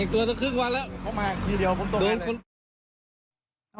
อีกตัวจะครึ่งวันแล้วเข้ามาครึ่งเดียว